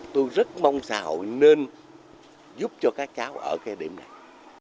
tôi rất mong xã hội nên giúp cho các cháu ở cái điểm này